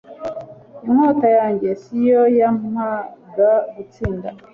inkota yanjye si yo yampaga gutsinda